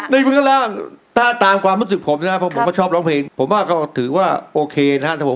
มันก็แล้วถ้าตามความรู้สึกผมนะครับผมก็ชอบร้องเพลงผมว่าก็ถือว่าโอเคนะครับผม